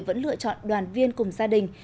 vẫn lựa chọn đoàn viên cùng gia đình